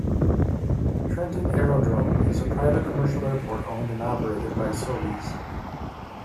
Trenton Aerodrome is a private commercial airport owned and operated by Sobeys.